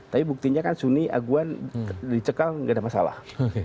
tapi buktinya kan suni aguan dicekal nggak ada masalah